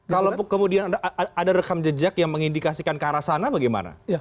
kalau kemudian ada rekam jejak yang mengindikasikan ke arah sana bagaimana